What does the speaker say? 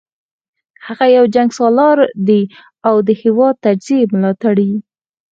هغه یو جنګسالار دی او د هیواد د تجزیې ملاتړی